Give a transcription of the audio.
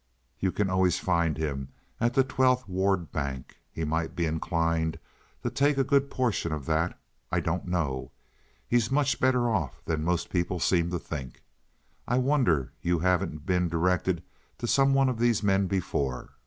You can always find him at the Twelfth Ward Bank. He might be inclined to take a good portion of that—I don't know. He's much better off than most people seem to think. I wonder you haven't been directed to some one of these men before."